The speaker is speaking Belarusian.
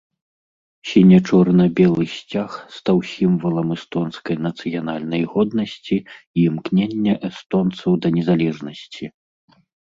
Сіне-чорна-белы сцяг стаў сімвалам эстонскай нацыянальнай годнасці і імкнення эстонцаў да незалежнасці.